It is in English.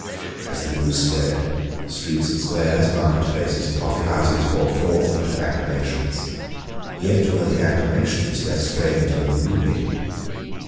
As the news spread, streets and squares, market places and coffeehouses, broke forth into acclamations. Yet were the acclamations less strange than the weeping.